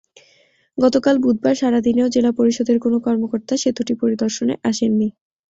গতকাল বুধবার সারা দিনেও জেলা পরিষদের কোনো কর্মকর্তা সেতুটি পরিদর্শনে আসেননি।